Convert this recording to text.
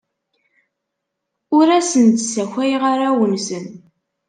Ur asen-d-ssakayeɣ arraw-nsen.